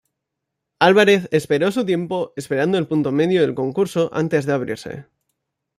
Álvarez esperó su tiempo esperando el punto medio del concurso antes de abrirse.